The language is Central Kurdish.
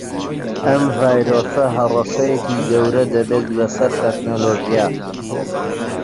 ئەم ڤایرۆسە هەڕەشەیەکی گەورە دەبێت لەسەر تەکنەلۆژیا